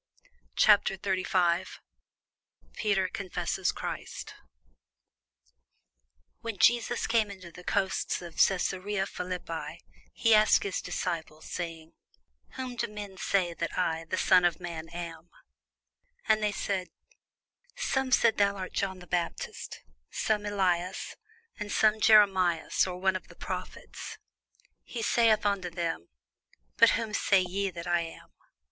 CHAPTER 35 PETER CONFESSES CHRIST [Sidenote: St. Matthew 16] WHEN Jesus came into the coasts of Cæsarea Philippi, he asked his disciples, saying, Whom do men say that I the Son of man am? And they said, Some say that thou art John the Baptist: some, Elias; and others, Jeremias, or one of the prophets. He saith unto them, But whom say ye that I am?